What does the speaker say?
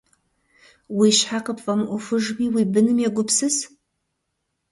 Уи щхьэ къыпфӀэмыӀуэхужми, уи быным егупсыс.